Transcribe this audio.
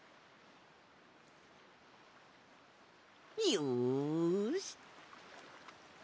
よし。